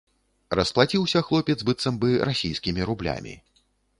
Расплаціўся хлопец быццам бы расійскімі рублямі.